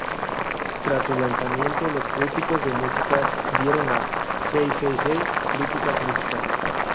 Tras su lanzamiento, los críticos de música dieron a "Hey Hey Hey" críticas mixtas.